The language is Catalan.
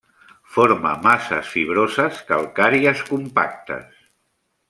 Forma masses fibroses calcàries compactes.